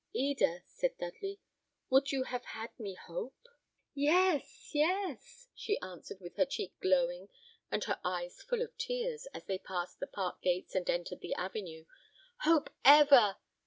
"Eda," said Dudley, "would you have had me hope?" "Yes, yes," she answered, with her cheek glowing and her eyes full of tears, as they passed the park gates and entered the avenue. "Hope ever!